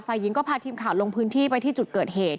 ฝ่ายหญิงก็พาทีมข่าวลงพื้นที่ไปที่จุดเกิดเหตุ